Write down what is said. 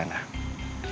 karena kalau saya tahu